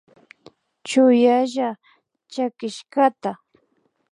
Chuyalla chakishkata